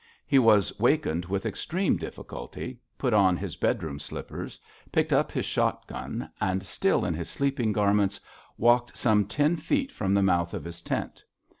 He was wakened with extreme difficulty, put on his bedroom slippers, picked up his shotgun, and, still in his sleeping garments, walked some ten feet from the mouth of his tent.